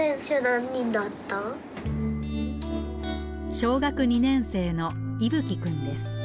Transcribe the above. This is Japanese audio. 小学２年生のいぶきくんです。